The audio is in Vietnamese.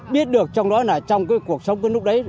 biết được trong đó là trong cuộc sống của lúc đấy